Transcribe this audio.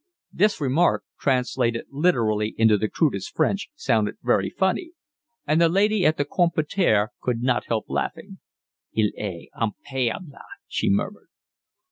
This remark, translated literally into the crudest French, sounded very funny, and the lady at the comptoir could not help laughing. "Il est impayable," she murmured.